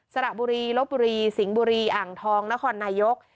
สระบุรีลบบุรีสิงห์บุรีอ่างทองนครนายก